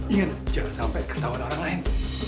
ingat jangan sampai ketahuan orang lain